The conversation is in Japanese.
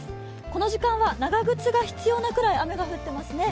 この時間は長靴が必要なくらい雨が降ってますね。